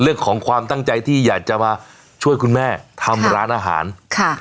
เรื่องของความตั้งใจที่อยากจะมาช่วยคุณแม่ทำร้านอาหารค่ะ